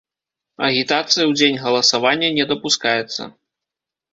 Агітацыя ў дзень галасавання не дапускаецца.